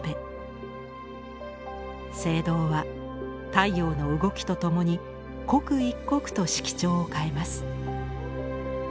聖堂は太陽の動きとともに刻一刻と色調を変えます。